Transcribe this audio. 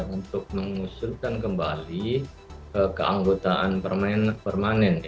untuk mengusulkan kembali keanggotaan permanen